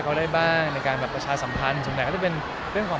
ก็ดีนะครับชนุกเหมือนเดิมครับ